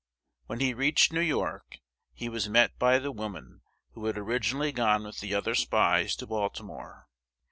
When he reached New York, he was met by the woman who had originally gone with the other spies to Baltimore.